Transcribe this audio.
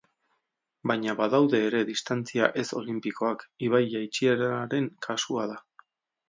Baina badaude ere distantzia ez olinpikoak, ibai jaitsieraren kasua da.